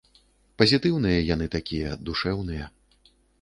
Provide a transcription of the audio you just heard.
Пазітыўныя яны такія, душэўныя.